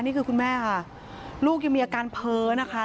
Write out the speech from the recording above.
คุณแม่ค่ะลูกยังมีอาการเพ้อนะคะ